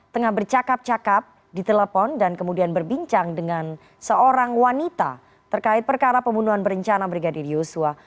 tengah bercakap cakap di telepon dan kemudian berbincang dengan seorang wanita terkait perkara pembunuhan berencana brigadir yosua